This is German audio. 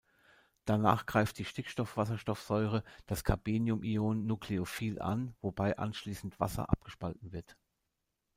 Danach greift die Stickstoffwasserstoffsäure das Carbenium-Ion nucleophil an, wobei anschließend Wasser abgespalten wird.